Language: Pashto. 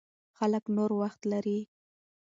خلک نور وخت لري.